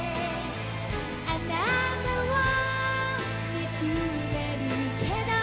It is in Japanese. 「あなたを見つめるけど」